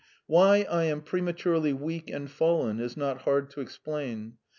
"Why I am prematurely weak and fallen is not hard to explain.